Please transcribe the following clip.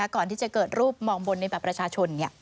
ก่อนที่จะเกิดรูปมองบนในบัตรประชาชน